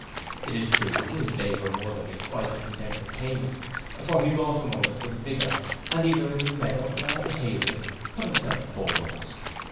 It is true his labour more than requited his entertainment; for he wrought among us with vigour, and either in the meadow or at the hay rick put himself foremost.